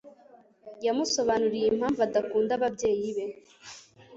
Yamusobanuriye impamvu adakunda ababyeyi be